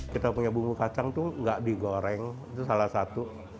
kita punya bumbu kacang tuh nggak digoreng itu salah satu